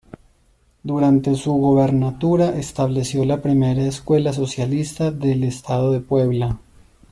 Durante su gubernatura estableció la Primera Escuela Socialista del Estado de Puebla.